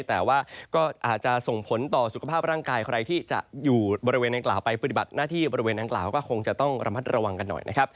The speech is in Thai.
แต่ว่าก็อาจจะส่งผลต่อสุขภาพร่างกายใครที่จะอยู่บริเวณนางกล่าวไปปฏิบัติหน้าที่บริเวณดังกล่าวก็คงจะต้องระมัดระวังกันหน่อยนะครับ